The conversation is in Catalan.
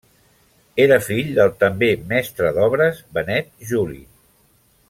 Era fill del també mestre d'obres Benet Juli.